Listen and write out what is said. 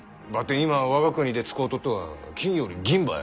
今我が国で使うとっとは金より銀ばい。